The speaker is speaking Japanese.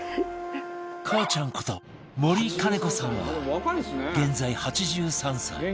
「かあちゃん」こと森カネ子さんは現在８３歳